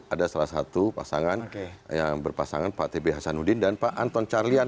ada salah satu pasangan yang berpasangan pak tb hasanuddin dan pak anton carlian